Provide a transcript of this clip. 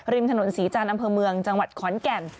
ริมถนนศรีจันทร์อำเภอเมืองจังหวัดขอนแก่น